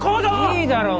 いいだろう